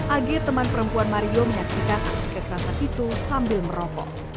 ag teman perempuan mario menyaksikan aksi kekerasan itu sambil merokok